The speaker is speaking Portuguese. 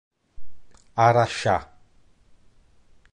Araxá